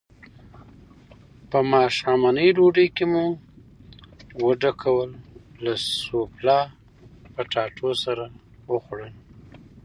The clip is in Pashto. په ماښامنۍ ډوډۍ کې مو وډکوک له سوفله پټاټو سره وخوړل.